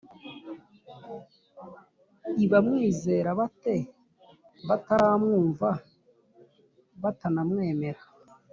i bamwizera bate bataramwumva batanamwemera ?